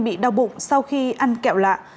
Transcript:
bị đau bụng sau khi ăn kẹo lạ